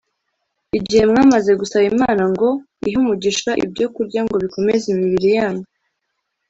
igihe mwamaze gusaba imana ngo ihe umugisha ibyokurya ngo bikomeze imibiri yanyu